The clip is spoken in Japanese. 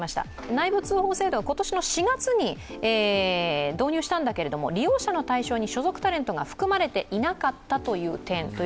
内部通報制度は今年の４月に導入したんだけれども利用者の対象に所属タレントが含まれていなかったという点。